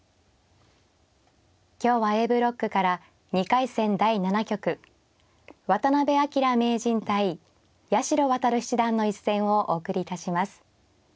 今日はＡブロックから２回戦第７局渡辺明名人対八代弥七段の一戦をお送りいたします。